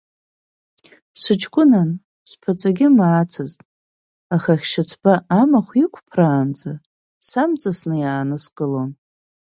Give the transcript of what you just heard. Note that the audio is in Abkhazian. Сыҷкәынан, сԥаҵагьы маацызт, аха ахьшьыцба амахә иқәԥраанӡа самҵасны иааныскылон.